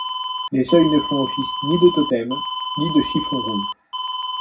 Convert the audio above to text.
Les seuils ne font office ni de totem ni de chiffon rouge.